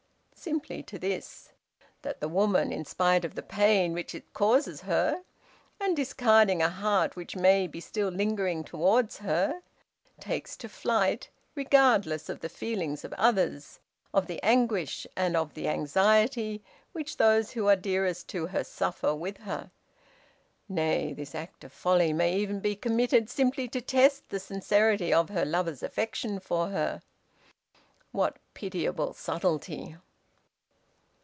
Simply to this: That the woman, in spite of the pain which it causes her, and discarding a heart which may be still lingering towards her, takes to flight, regardless of the feelings of others of the anguish, and of the anxiety, which those who are dearest to her suffer with her. Nay, this act of folly may even be committed simply to test the sincerity of her lover's affection for her. What pitiable subtlety!